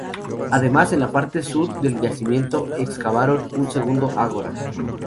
Además, en la parte sur del yacimiento excavaron un segundo ágora.